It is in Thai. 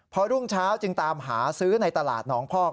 พอรุ่งเช้าจึงตามหาซื้อในตลาดหนองพอก